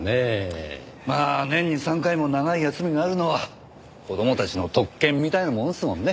まあ年に３回も長い休みがあるのは子供たちの特権みたいなものですもんね。